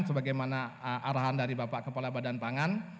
sebagaimana arahan dari bapak kepala badan pangan